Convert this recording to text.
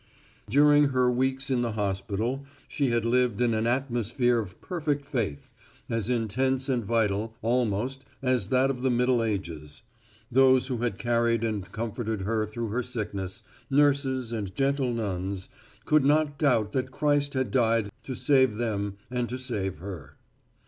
During her weeks in the hospital she had lived in an atmosphere of perfect faith, as intense and vital, almost, as that of the middle ages. Those who had carried and comforted her through her sickness, nurses and gentle nuns, could not doubt that Christ had died to save them and to save her.